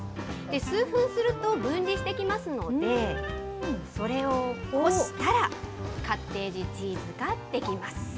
数分すると分離してきますので、それをこしたら、カッテージチーズが出来ます。